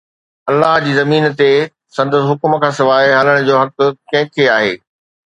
الله جي زمين تي سندس حڪم کان سواءِ هلڻ جو حق ڪنهن کي آهي؟